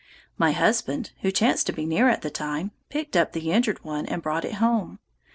My husband, who chanced to be near at the time, picked up the injured one and brought it home.